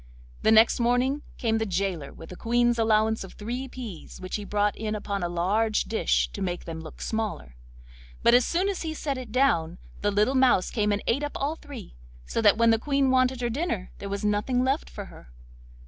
The next morning came the gaoler with the Queen's allowance of three peas, which he brought in upon a large dish to make them look smaller; but as soon as he set it down the little mouse came and ate up all three, so that when the Queen wanted her dinner there was nothing left for her.